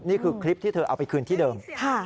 นี่คือคลิปที่เธอเอาไปคืนที่เดิม